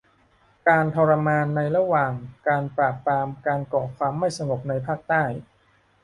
: การทรมานในระหว่างการปราบปรามการก่อความไม่สงบในภาคใต้